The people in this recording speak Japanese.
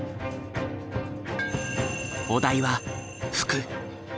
お題は「服」。